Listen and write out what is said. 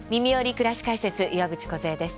くらし解説」岩渕梢です。